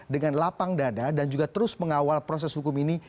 dengan lapang dada dan juga terus mengawal proses hukum ini